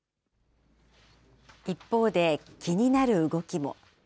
一方で、気になる動きも。